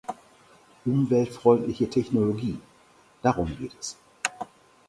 Umweltfreundliche Technologie, darum geht es.